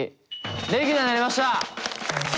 レギュラーになりました！